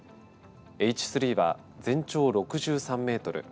Ｈ３は全長６３メートル。